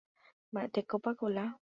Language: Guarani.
Mba'etekópa Kola